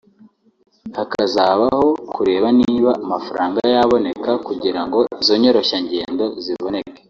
hakazabaho kureba niba amafaranga yaboneka kugira ngo izo nyoroshyangendo ziboneke